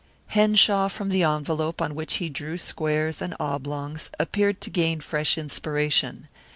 Henshaw from the envelope on which he drew squares and oblongs appeared to gain fresh inspiration.